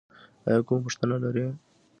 ایا کومه پوښتنه لرئ؟